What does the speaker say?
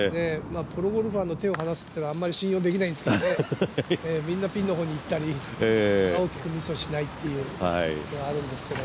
プロゴルファーが手を離すっていうのはあまり信頼できないんですけどみんなピンの方にいったり大きくミスをしないっていうのはあるんですけど。